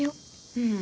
うん。